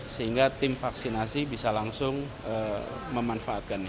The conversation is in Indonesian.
sehingga tim vaksinasi bisa langsung memanfaatkannya